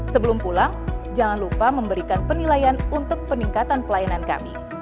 sebelum pulang jangan lupa memberikan penilaian untuk peningkatan pelayanan kami